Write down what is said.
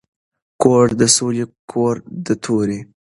کور د ســــولي کـــــور د تَُوري